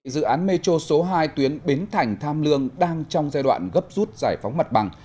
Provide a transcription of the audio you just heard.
dự án metro số hai tuyến bến thành tham lương đang trong giai đoạn gấp rút giải phóng mặt bằng